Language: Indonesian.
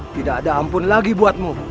tidak ada ampun lagi buatmu